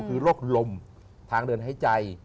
คือโรคลมทางเดินหายใจ